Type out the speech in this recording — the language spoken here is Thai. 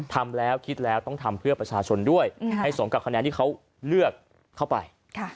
ทำแล้วคิดแล้วต้องทำเพื่อประชาชนด้วยให้สมกับคะแนนที่เขาเลือกเข้าไป